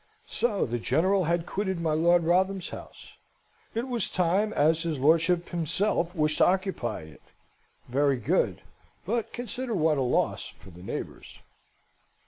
So the General had quitted my Lord Wrotham's house? It was time, as his lordship himself wished to occupy it? Very good; but consider what a loss for the neighbours!